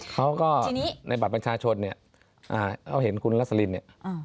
เขาก็ในบัตรประชาชนเนี่ยเราเห็นคุณรัสลินเนี่ย